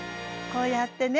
こうやってね